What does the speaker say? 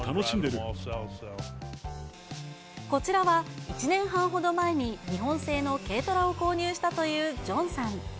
こちらは、１年半ほど前に、日本製の軽トラを購入したというジョンさん。